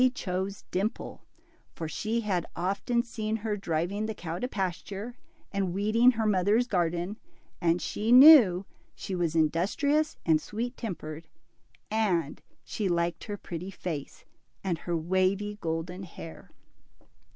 chose Dimple^ for she had often seen her driving the cow to pasture, and weeding her mother's garden ; and she knew she was industrious and sweet tempered, and she liked her pretty f^ce, and her wavy golden hair.